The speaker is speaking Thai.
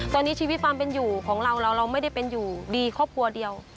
ตอนนี้ชีวิตความเป็นอยู่ของเราเราไม่ได้เป็นอยู่ดีครอบครัวเดียว